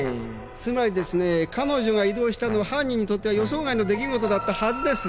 つまりですね彼女が移動したのは犯人にとっては予想外の出来事だったはずです。